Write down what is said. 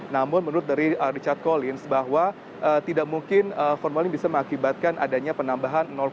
namun menurut dari richard collins bahwa tidak mungkin formalin bisa mengakibatkan adanya penambahan